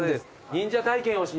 忍者体験をね。